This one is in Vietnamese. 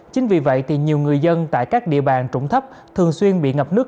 chính vì vậy thì nhiều người dân tại các địa bàn trụng thấp thường xuyên bị ngập nước